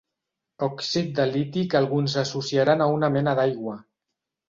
Òxid de liti que alguns associaran a una mena d'aigua.